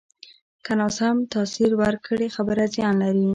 که ناسم تاثر ورکړې، خبره زیان لري